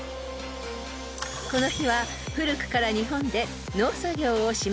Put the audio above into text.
［この日は古くから日本で］